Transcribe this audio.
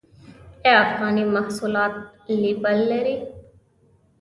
آیا افغاني محصولات لیبل لري؟